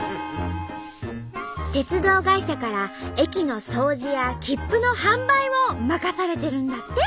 鉄道会社から駅の掃除や切符の販売を任されてるんだって！